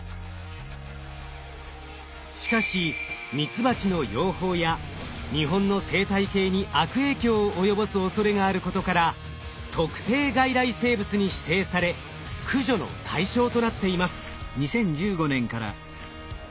しかしミツバチの養蜂や日本の生態系に悪影響を及ぼす恐れがあることから「特定外来生物」に指定され駆除の対象となっています。